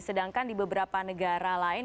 sedangkan di beberapa negara lain